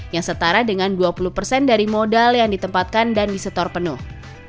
yang setara dengan dua puluh persen dari modal yang ditempatkan dan disetor penuh